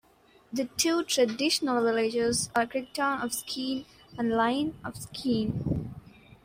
The two traditional villages are Kirkton of Skene and Lyne of Skene.